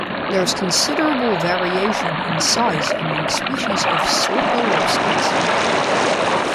There is considerable variation in size among species of slipper lobsters.